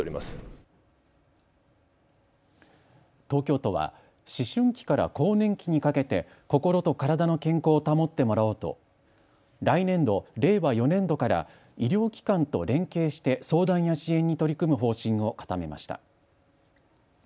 東京都は思春期から更年期にかけて心と体の健康を保ってもらおうと来年度、令和４年度から医療機関と連携して相談や支援に取り組む方針を固めました。